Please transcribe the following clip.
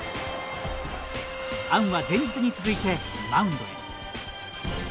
アンは前日に続いてマウンドへ。